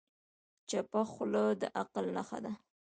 چپه خوله، د عقل نښه ده.